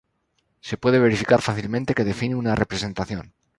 Se puede verificar fácilmente que define una representación.